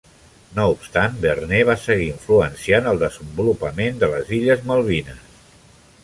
No obstant, Vernet va seguir influenciant el desenvolupament de les illes Malvines.